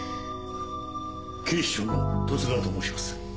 警視庁の十津川と申します。